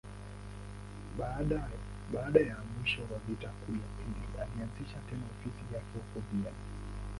Baada ya mwisho wa Vita Kuu ya Pili, alianzisha tena ofisi yake huko Vienna.